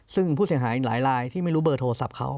ซึ่งผู้เสียหายหลายลายที่ไม่รู้เบอร์โทรศัพท์เขา